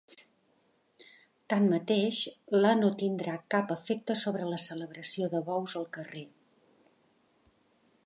Tanmateix, la no tindrà cap efecte sobre la celebració de bous al carrer.